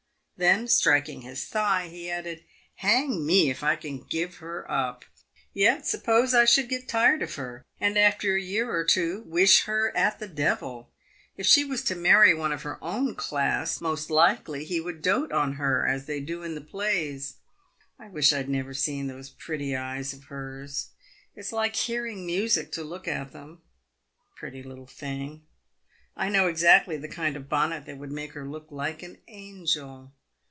Then, striking his thigh, he added, " Hang me if I can give her up. Yet, suppose I should get tired of her, and, after a year or two, wish her at the devil ? If she was to marry one of her own class, most likely he would dote on her, as they do in the plays. I wish I had never seen those eyes of hers ! It is like hearing music to look at them ! Pretty little thing ! I know exactly the kind of bonnet that would make her look like an angel.